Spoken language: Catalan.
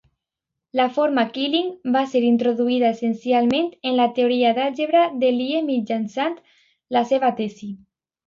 La forma Killing va ser introduïda essencialment en la teoria d'àlgebra de Lie mitjançant la seva tesi.